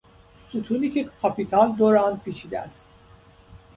ستونی که پاپیتال دور آن پیچیده است.